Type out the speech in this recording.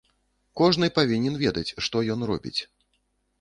Кожны павінен ведаць, што ён робіць.